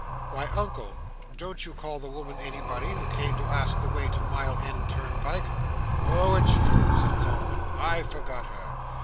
"Why Uncle! don't you call the woman anybody, who came to ask the way to Mile End Turnpike?" "Oh! it's true," said Solomon, "I forgot her.